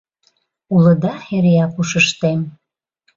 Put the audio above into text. Улыда эреак ушыштем.